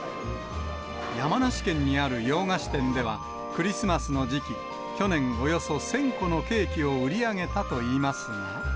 山梨県にある洋菓子店では、クリスマスの時期、去年、およそ１０００個のケーキを売り上げたといいますが。